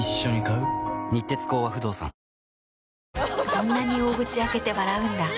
そんなに大口開けて笑うんだ。